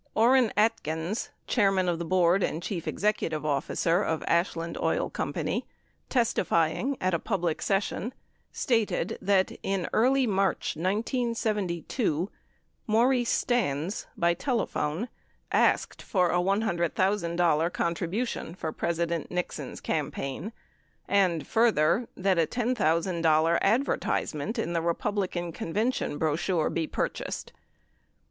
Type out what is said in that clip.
Orin Atkins, chairman of the board and chief executive officer of Ashland Oil Co., testifying at a public session, stated that in early March 1972, Maurice Stans, by telephone, asked for a $100,000 contribution for President Nixon's campaign and, further, that a $10,000 adver tisement in the Republican convention brochure be purchased.